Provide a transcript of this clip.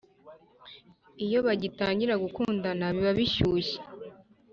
iyo bagitangira gukundana biba bishyushye,